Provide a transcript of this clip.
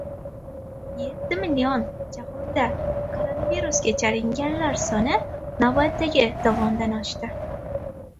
Yetti million: jahonda koronavirusga chalinganlar soni navbatdagi dovondan oshdi